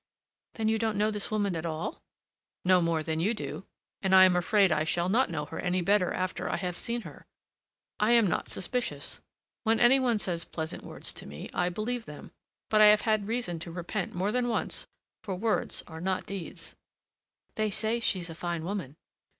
"Then you don't know this woman at all?" "No more than you do, and I am afraid I shall not know her any better after I have seen her. I am not suspicious. When any one says pleasant words to me, I believe them; but I have had reason to repent more than once, for words are not deeds." "They say she's a fine woman."